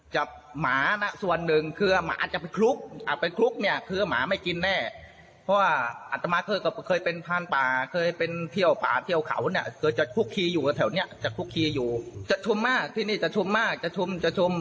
หมานะส่วนหนึ่งคือหมาอาจจะไปคลุกอ่ะไปคลุกเนี่ยคือหมาไม่กินแน่เพราะว่าอัตมาก็เคยเป็นพานป่าเคยเป็นเที่ยวป่าเที่ยวเขาเนี่ยเคยจะคุกคีอยู่กับแถวเนี้ยจะคุกคีอยู่จะชุมมากที่นี่จะชุมมากจะชุมจะชม